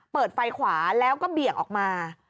เปิดไฟขวาแล้วก็เบี่ยงออกมา